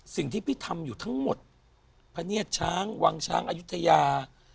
สิ่งที่พี่ทำอยู่ทั้งหมดพะเนียดช้างวังช้างอายุทยา